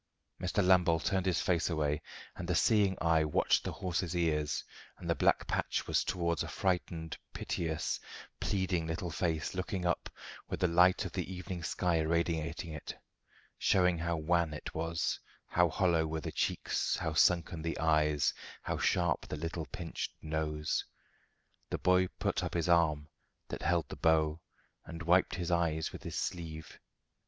Mr. Lambole turned his face away, and the seeing eye watched the horse's ears, and the black patch was towards a frightened, piteous, pleading little face, looking up, with the light of the evening sky irradiating it, showing how wan it was, how hollow were the cheeks, how sunken the eyes, how sharp the little pinched nose. The boy put up his arm, that held the bow, and wiped his eyes with his sleeve.